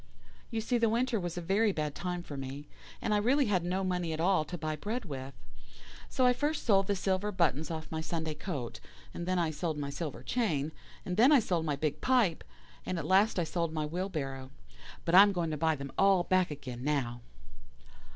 You see the winter was a very bad time for me, and I really had no money at all to buy bread with. So I first sold the silver buttons off my Sunday coat, and then I sold my silver chain, and then I sold my big pipe, and at last I sold my wheelbarrow. But I am going to buy them all back again now.